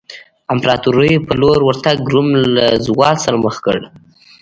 امپراتورۍ په لور ورتګ روم له زوال سره مخ کړ.